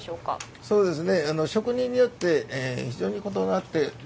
そうですね。